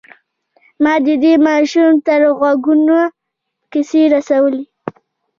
ما د دې ماشوم تر غوږونو کيسې رسولې.